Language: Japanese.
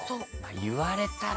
言われたら。